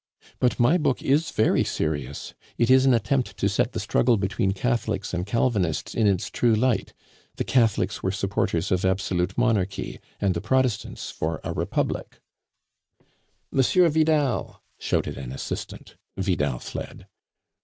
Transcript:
"But my book is very serious. It is an attempt to set the struggle between Catholics and Calvinists in its true light; the Catholics were supporters of absolute monarchy, and the Protestants for a republic." "M. Vidal!" shouted an assistant. Vidal fled.